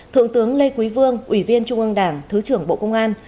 thượng tướng lê quý vương ủy viên trung ương đảng thứ trưởng bộ công an